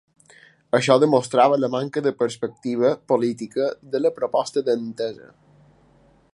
Això demostrava la manca de perspectiva política de la proposta d'Entesa.